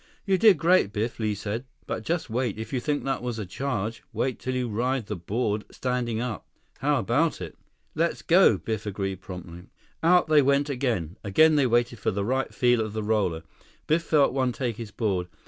"You did great, Biff," Li said. "But just wait. If you think that was a charge, wait till you ride the board standing up. How about it?" "Let's go!" Biff agreed promptly. Out they went again. Again they waited for the right feel of the roller. Biff felt one take his board.